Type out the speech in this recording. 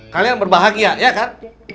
kalian berbahagia ya kan